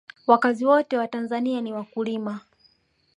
wakazi wote wa tanzania ni wakulima